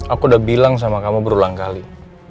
aku udah bilang sama kamu berulang kali